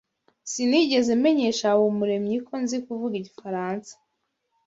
Sinigeze menyesha Habumuremyi ko nzi kuvuga igifaransa.